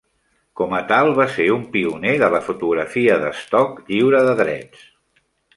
Com a tal, va ser un pioner de la fotografia d'estoc lliure de drets.